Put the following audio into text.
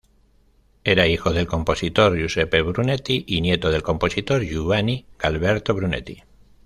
Era hijo del compositor Giuseppe Brunetti y nieto del compositor Giovanni Gualberto Brunetti.